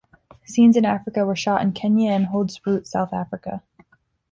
Scenes in Africa were shot in Kenya and Hoedspruit, South Africa.